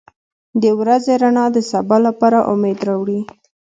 • د ورځې رڼا د سبا لپاره امید راوړي.